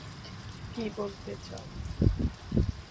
কি বলতে চাও?